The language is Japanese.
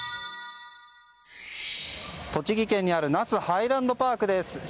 栃木県にある那須ハイランドパークです。